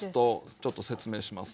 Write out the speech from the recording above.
ちょっと説明しますね。